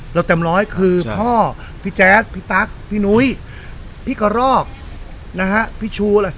เต็มร้อยคือพ่อพี่แจ๊ดพี่ตั๊กพี่นุ้ยพี่กระรอกนะฮะพี่ชูอะไร